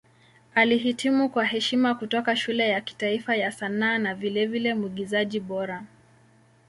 Alihitimu kwa heshima kutoka Shule ya Kitaifa ya Sanaa na vilevile Mwigizaji Bora.